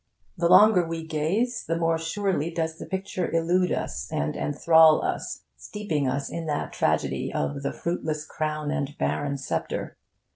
The longer we gaze, the more surely does the picture illude us and enthral us, steeping us in that tragedy of 'the fruitless crown and barren sceptre.'